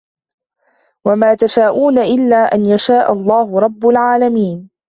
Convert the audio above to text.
وَمَا تَشَاءُونَ إِلَّا أَنْ يَشَاءَ اللَّهُ رَبُّ الْعَالَمِينَ